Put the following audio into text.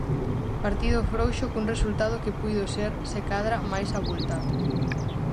Partido frouxo cun resultado que puido ser, se cadra, máis avultado.